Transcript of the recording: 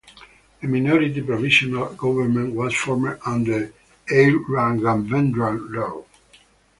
A minority provisional government was formed under E. Raghavendra Rao.